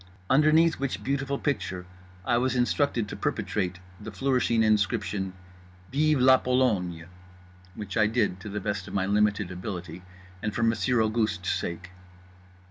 Underneath which beautiful picture I was instructed to perpetrate the flourishing inscription "Vive la Pologne" which I did to the best of my limited ability and for Monsieur Auguste's sake.